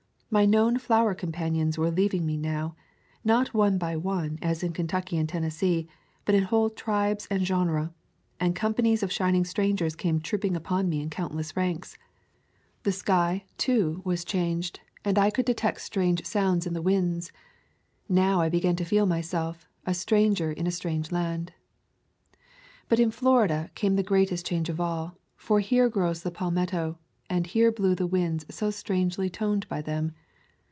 My known flower companions were leaving me now, not one by one as in Kentucky and Ten nessee, but in whole tribes and genera, and com panies of shining strangers came trooping upon me in countless ranks. The sky, too, was [175 ] A Thousand Mile Walk changed, and I could detect strange sounds in the winds. Now I began to feel myself "a stranger in a strange land." But in Florida came the greatest change of all, for here grows the palmetto, and here blow the winds so strangely toned by them.